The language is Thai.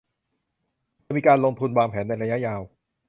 จะมีการลงทุนวางแผนในระยะยาว